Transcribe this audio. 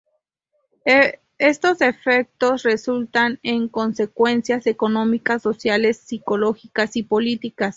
Estos efectos resultan en consecuencias económicas, sociales, psicológicas y políticas.